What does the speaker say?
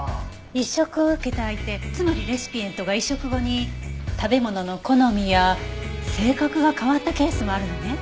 移植を受けた相手つまりレシピエントが移植後に食べ物の好みや性格が変わったケースもあるのね。